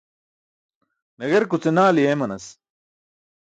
Nagerkuce naali eemanas.